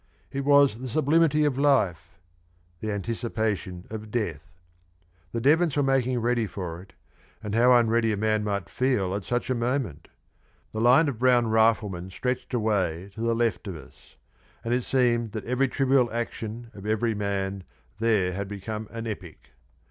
It was the sublimity of life the anticipation of death. The Devons were making ready for it, and how unready a man might feel at such a moment! The line of brown riflemen stretched away to the left of us, and it seemed that every trivial action of every man there had become an epic.